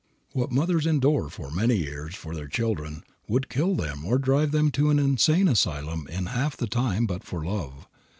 What mothers endure for many years for their children would kill them or drive them to an insane asylum in half the time but for love.